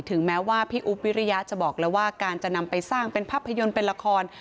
แม้ว่าพี่อุ๊บวิริยะจะบอกแล้วว่าการจะนำไปสร้างเป็นภาพยนตร์เป็นละคร